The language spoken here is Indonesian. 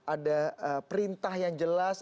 ada perintah yang jelas